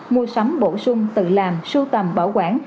mua sắm bổ sung tự làm sưu tầm bảo quản